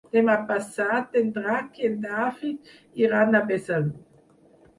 Demà passat en Drac i en David iran a Besalú.